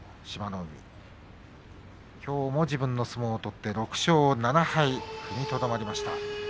海はきょうも自分の相撲を取って６勝７敗、踏みとどまりました。